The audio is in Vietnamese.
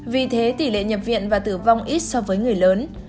vì thế tỷ lệ nhập viện và tử vong ít so với người lớn